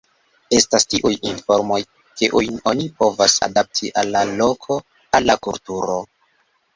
Estas tiuj informoj, kiujn oni povas adapti al la loko, al la kulturo.